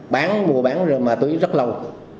bán mua bán ma túy rất lâu